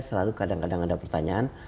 selalu kadang kadang ada pertanyaan